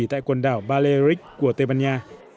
tại quần đảo berarik của tây ban nha